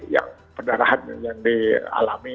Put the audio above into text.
yang penarahan yang dialami